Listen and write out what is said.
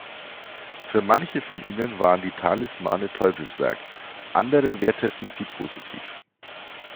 Für manche von ihnen waren die Talismane Teufelswerk, andere werteten sie positiv.